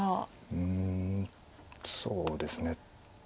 うんそうですね。